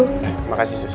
terima kasih sus